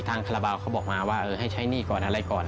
คาราบาลเขาบอกมาว่าให้ใช้หนี้ก่อนอะไรก่อน